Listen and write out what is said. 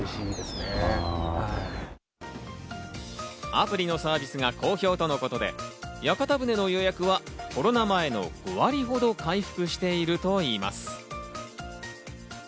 アプリのサービスが好評とのことで、屋形船の予約はコロナ前の５割ほど回復しているといいます。